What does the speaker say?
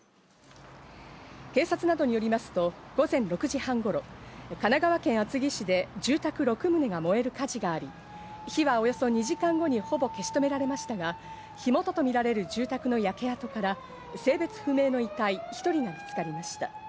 警察などによりますと、午前６時半頃、神奈川県厚木市で住宅６棟が燃える火事があり、火はおよそ２時間後にほぼ消し止められましたが、火元とみられる住宅の焼け跡から性別不明の遺体１人が見つかりました。